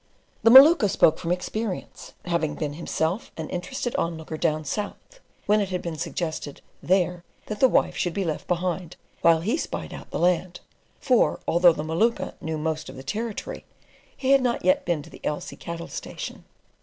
The Maluka spoke from experience, having been himself an interested onlooker "down south," when it had been suggested there that the wife should be left behind while he spied out the land; for although the Maluka knew most of the Territory, he had not yet been to the Elsey Cattle Station.